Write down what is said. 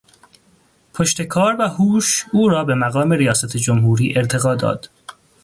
پشتکار و هوش او را به مقام ریاست جمهوری ارتقا داد.